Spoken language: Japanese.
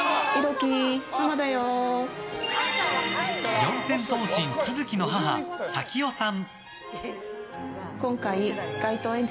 四千頭身・都築の母佐貴代さん。